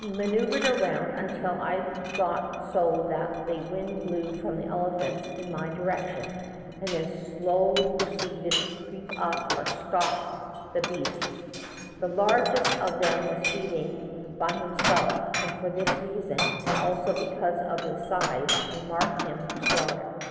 I maneuvered around until I got so that the wind blew from the elephants in my direction, and then slowly proceeded to creep up or "stalk '' the beasts. The largest of them was feeding by him self, and for this reason, and also because of his size, I marked him for slaughter.